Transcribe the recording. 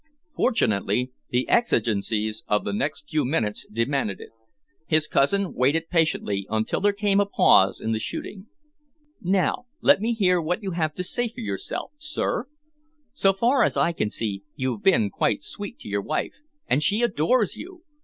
Fortunately, the exigencies of the next few minutes demanded it. His cousin waited patiently until there came a pause in the shooting. "Now let me hear what you have to say for yourself, sir? So far as I can see, you've been quite sweet to your wife, and she adores you.